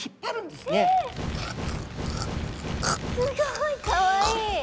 すごいかわいい！